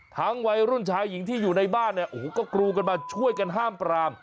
วัยรุ่นชายหญิงที่อยู่ในบ้านเนี่ยโอ้โหก็กรูกันมาช่วยกันห้ามปราม